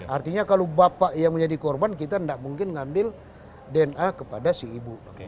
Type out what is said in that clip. artinya kalau bapak yang menjadi korban kita tidak mungkin ngambil dna kepada si ibu